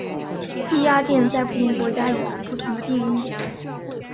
低压电在不同国家有不同定义。